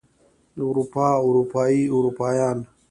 اروپا اروپايي اروپايان